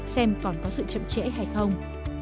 xem còn có sự chậm trễ hay không